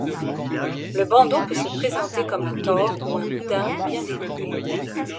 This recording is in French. Le bandeau peut se présenter comme un tore ou un boudin bien découpé.